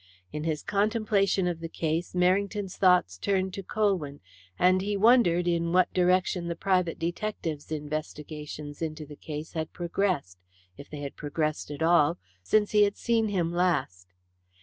In his contemplation of the case Merrington's thoughts turned to Colwyn, and he wondered in what direction the private detective's investigations into the case had progressed if they had progressed at all since he had seen him last.